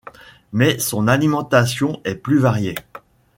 Mais son alimentation est plus variée.